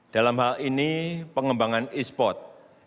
dalam hal ini pengembangan e sport